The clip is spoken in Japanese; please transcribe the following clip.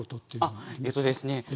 あっえっとですね